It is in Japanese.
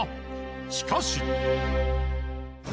しかし。